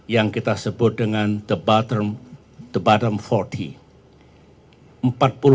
yang kita sebut dengan the bottom empat puluh